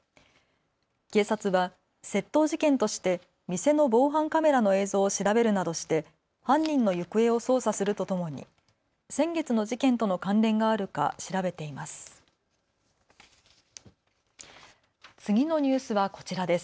警察は窃盗事件として店の防犯カメラの映像を調べるなどして犯人の行方を捜査するとともに先月の事件との関連があるか調べています。